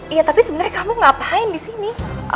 iya tapi sebenernya kamu ngapain disini